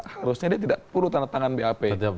harusnya dia tidak perlu tanda tangan bap